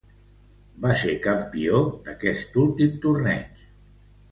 Va ser campió d'este últim torneig.